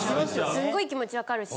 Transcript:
すごい気持ち分かるし。